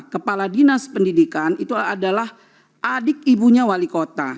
kepala dinas pendidikan itu adalah adik ibunya wali kota